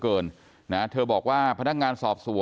นางนาคะนี่คือยยน้องจีน่าคุณยายถ้าแท้เลย